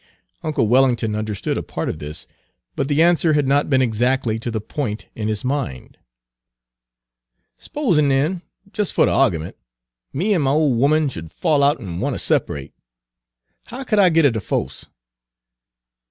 Uncle Wellington understood a part of this, but the answer had not been exactly to the point in his mind. "S'pos'n', den, jes' fer de argyment, me an' my ole 'omen sh'd fall out en wanter separate, how could I git a defoce?"